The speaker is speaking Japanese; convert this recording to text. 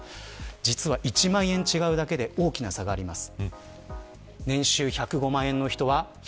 実は１万円違うだけで大きな差があります。